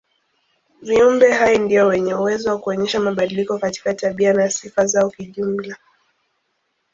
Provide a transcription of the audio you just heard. Viumbe hai ndio wenye uwezo wa kuonyesha mabadiliko katika tabia na sifa zao kijumla.